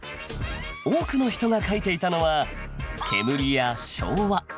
多くの人が書いていたのは「煙」や「昭和」。